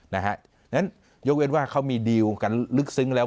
อย่างนั้นยกว่าเขามีดีลกันลึกซึ้งแล้ว